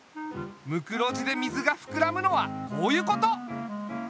ムクロジで水がふくらむのはこういうこと！